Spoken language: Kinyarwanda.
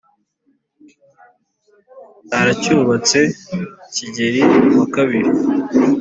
aracyubatse kigeli wa kabiri